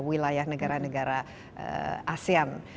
wilayah negara negara asean